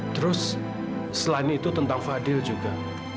terus selain itu tentang fadil juga